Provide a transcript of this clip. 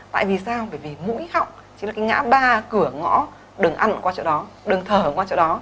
tại vì sao bởi vì mũi họng chính là cái ngã ba cửa ngõ đường ăn qua chỗ đó đường thở qua chỗ đó